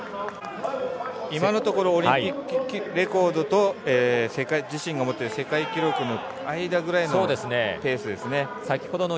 今のところオリンピックレコードと自身が持っている世界記録の間ぐらいのペースですね。